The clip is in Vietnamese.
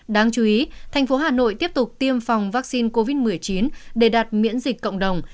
đáng chú ý thành phố hà nội tiếp tục tiêm phòng vaccine covid một mươi chín để đạt miễn dịch cộng đồng